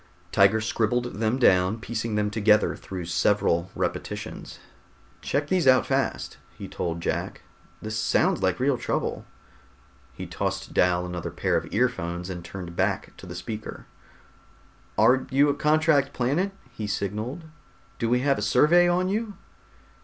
Tiger scribbled them down, piecing them together through several repetitions. "Check these out fast," he told Jack. "This sounds like real trouble." He tossed Dal another pair of earphones and turned back to the speaker. "Are you a contract planet?" he signaled. "Do we have a survey on you?"